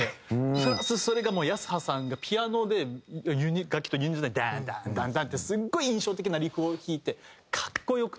プラスそれがもう泰葉さんがピアノで楽器とユニゾンでダンダンダンダン！ってすごい印象的なリフを弾いて格好良くて。